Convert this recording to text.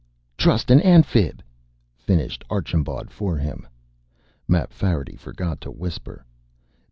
"Trust an Amphib," finished Archambaud for him. Mapfarity forgot to whisper.